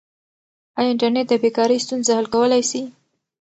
آیا انټرنیټ د بې کارۍ ستونزه حل کولای سي؟